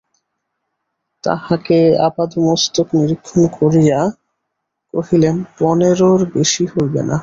তাহাকে আপাদমস্তক নিরীক্ষণ করিয়া কহিলেন, পনেরোর বেশি হইবে না।